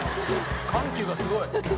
緩急がすごい！」